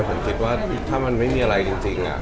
ผมคิดว่าถ้ามันไม่มีอะไรจริง